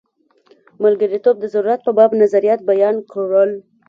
ملګرتوب د ضرورت په باب نظریات بیان کړل.